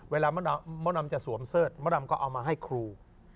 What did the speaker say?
เวลามดดำจะสวมเสิร์ธมดดำก็เอามาให้ครู